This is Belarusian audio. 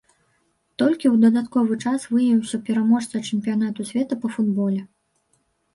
Толькі ў дадатковы час выявіўся пераможца чэмпіянату свету па футболе.